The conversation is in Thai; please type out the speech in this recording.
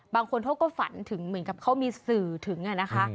บางคนเขาก็ฝันถึงเหมือนกับเขามีสื่อถึงนะคะ